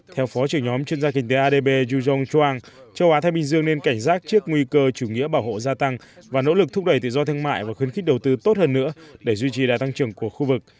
theo phó trưởng nhóm chuyên gia kinh tế adb yu jong choang châu á thái bình dương nên cảnh giác trước nguy cơ chủ nghĩa bảo hộ gia tăng và nỗ lực thúc đẩy tự do thương mại và khuyến khích đầu tư tốt hơn nữa để duy trì đa tăng trưởng của khu vực